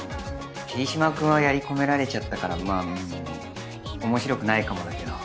桐島君はやり込められちゃったからまあ面白くないかもだけど。